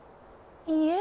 いいえ。